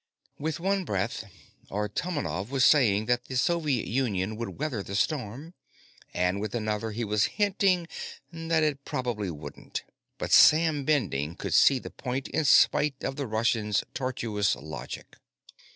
With one breath, Artomonov was saying that the Soviet Union could weather the storm, and with another he was hinting that it probably wouldn't. But Sam Bending could see the point in spite of the Russian's tortuous logic.